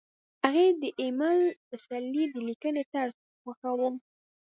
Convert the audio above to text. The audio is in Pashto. هغې د ایمل پسرلي د لیکنې طرز خوښاوه